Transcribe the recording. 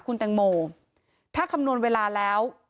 คุณแตงโมถ้าคำนวณเวลาแล้ว